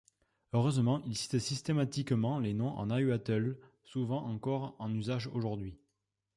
Heureusement, il cite systématiquement les noms en nahuatl souvent encore en usage aujourd'hui.